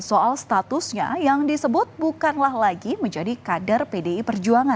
soal statusnya yang disebut bukanlah lagi menjadi kader pdi perjuangan